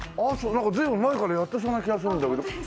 なんか随分前からやってそうな気がするんだけど。